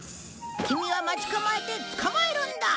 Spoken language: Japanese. キミは待ち構えて捕まえるんだ。